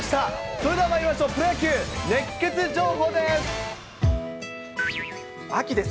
それではまいりましょう、プロ野球熱ケツ情報です。